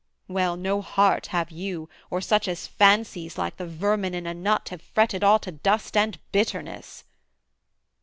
well no heart have you, or such As fancies like the vermin in a nut Have fretted all to dust and bitterness.'